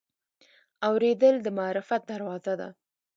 اورېدل د معرفت دروازه ده.